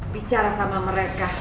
bicara sama mereka